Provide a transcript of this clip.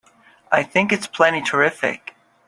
I think it's plenty terrific!